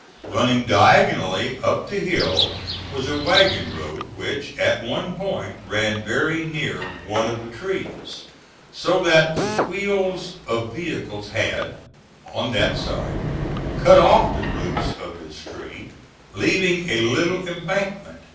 Running diagonally up the hill was a wagon road, which, at one point, ran very near one of the trees, so that the wheels of vehicles had, on that side, cut off the roots of this tree, leaving a little embankment.